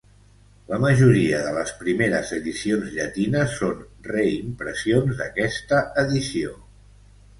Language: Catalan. La majoria de les primeres edicions llatines són reimpressions d'aquesta edició.